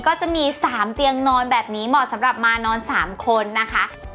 ก็จะมี๓เตียงนอนแบบนี้เหมาะสำหรับมานอน๓คนนะคะ